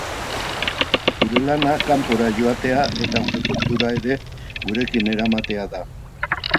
Gure lana hkanpora joatea eta gure kultura ere gurekin eramatea da.